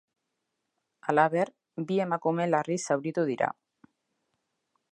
Halaber, bi emakume larri zauritu dira.